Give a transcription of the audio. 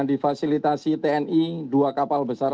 difasilitasi tni dua kapal besar